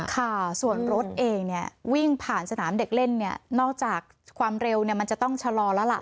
ค่ะส่วนรถเองเนี่ยวิ่งผ่านสนามเด็กเล่นเนี่ยนอกจากความเร็วเนี่ยมันจะต้องชะลอแล้วล่ะ